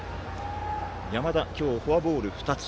山田、今日、フォアボール２つ。